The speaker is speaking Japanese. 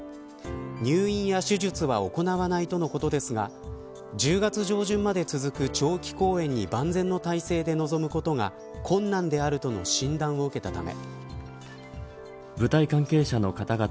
入院や手術は行わないとのことですが１０月上旬まで続く長期公演に万全の態勢で臨むことが困難であるとの診断を受けたため。